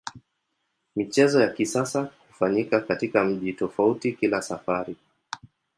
Michezo ya kisasa hufanyika katika mji tofauti kila safari.